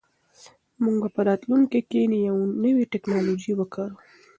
موږ به په راتلونکي کې نوې ټیکنالوژي وکاروو.